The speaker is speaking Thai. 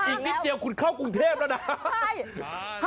อีกนิดเดียวคุณเข้ากรุงเทพแล้วนะ